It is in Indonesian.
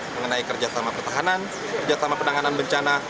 mengenai kerjasama pertahanan kerjasama penanganan bencana